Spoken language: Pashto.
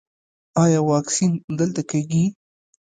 ایا واکسین دلته کیږي؟